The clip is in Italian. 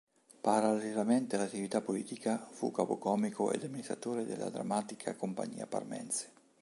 Parallelamente all'attività politica fu capocomico ed amministratore della Drammatica Compagnia Parmense.